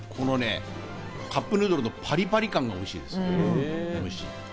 カップヌードルのパリパリ感がおいしいです。